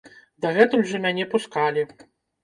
Дагэтуль жа мяне пускалі.